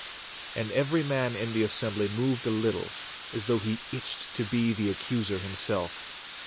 And every man in the assembly moved a little, as though he itched to be the accuser himself.